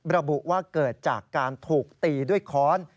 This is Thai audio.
ระบุว่าเกิดจากการถูกตีด้วยค้อน